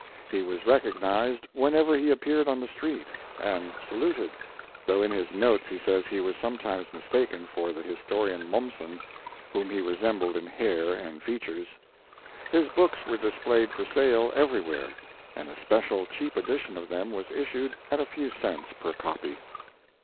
He was recognized whenever he appeared on the street, and saluted, though in his notes he says he was sometimes mistaken for the historian Mommsen, whom he resembled in hair and features. His books were displayed for sale everywhere, and a special cheap edition of them was issued at a few cents per copy.